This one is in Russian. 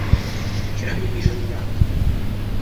Вчера мне пишет Правдин...